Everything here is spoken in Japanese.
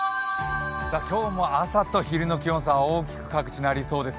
今日も朝と昼の気温差は大きく各地なりそうです。